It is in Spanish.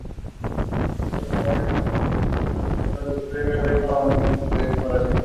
Fue distinguido con numerosos premios y condecoraciones.